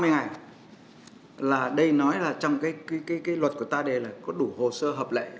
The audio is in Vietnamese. ba mươi ngày là đây nói là trong cái luật của ta đây là có đủ hồ sơ hợp lệ